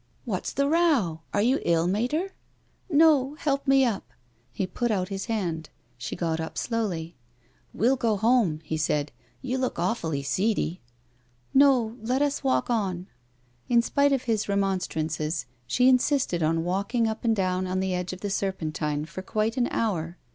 " What's the row ? Are you ill, Mater ?" "No. Help me up." He i)ut out his hand. She got up slowly. " We'll go home," he said. " You look awfully seedy." " No ; let us walk on," In spite of his remonstrances she insisted on walking uj) and down at the edge of the Serpen tine for quite an hour.